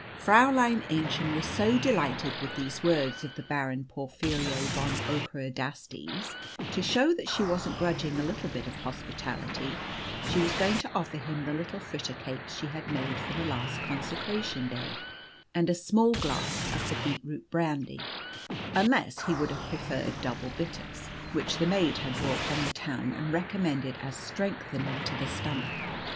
Fräulein Aennchen was so delighted with these words of the Baron Porphyrio von Ockerodastes that, to show that she wasn't grudging a little bit of hospitality, she was going to offer him the little fritter cakes she had made for the last consecration day, and a small glass of the beetroot brandy, unless he would have preferred double bitters, which the maid had brought from the town and recommended as strengthening to the stomach.